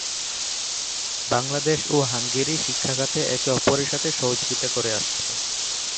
বাংলাদেশ ও হাঙ্গেরি শিক্ষা খাতে একে অপরের সাথে সহযোগিতা করে আসছে।